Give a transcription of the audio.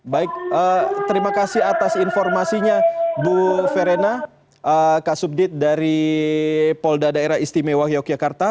baik terima kasih atas informasinya bu verena kasubdit dari polda daerah istimewa yogyakarta